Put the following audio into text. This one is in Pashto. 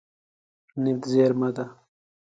نفت زیرمه ده.